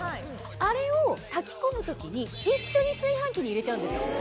あれを炊き込む時に一緒に炊飯器に入れちゃうんですよ。